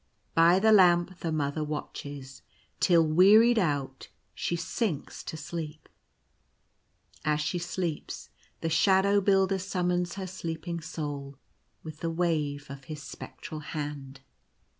By the lamp the Mother watches, till, wearied out, she sinks to sleep. As she sleeps the Shadow Builder summons her sleep ing soul with the wave of his spectral hand.